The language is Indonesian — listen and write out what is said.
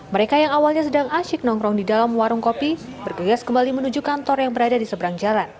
mereka yang awalnya sedang asyik nongkrong di dalam warung kopi bergegas kembali menuju kantor yang berada di seberang jalan